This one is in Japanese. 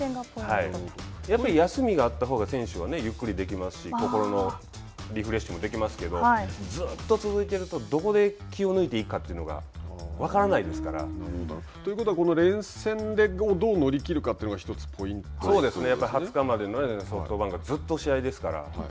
やっぱり休みがあったほうが、選手は、ゆっくりできますし、心のリフレッシュもできますけど、ずっと続いていると、どこで気を抜いていいのかというのがということは、この連戦をどう乗り切るかというのがポイントということですね。